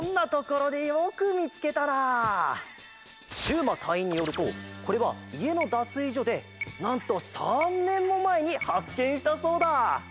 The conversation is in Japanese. うまたいいんによるとこれはいえのだついじょでなんと３ねんもまえにはっけんしたそうだ！